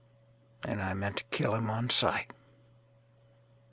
And I meant to kill him on sight.